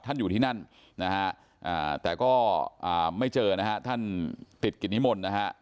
ท่านอยู่ที่นั่นนะฮะแต่ก็ไม่เจอนะฮะท่านติดกิจนิมนต์นะฮะ